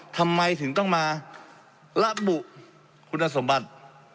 ทำไมถึงต้องมาระบุคุณสมบัติ